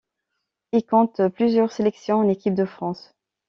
Il compte plusieurs sélections en équipe de France.